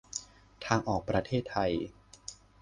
ทางออกประเทศไทย